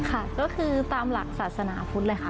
ค่ะก็คือตามหลักศาสนาพุทธเลยค่ะ